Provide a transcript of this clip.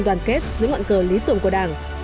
đồng kết giữa ngoạn cờ lý tưởng của đảng